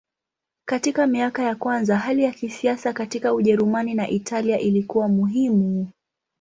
Katika miaka ya kwanza hali ya kisiasa katika Ujerumani na Italia ilikuwa muhimu.